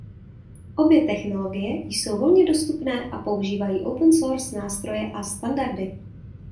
Obě technologie jsou volně dostupné a používají open source nástroje a standardy.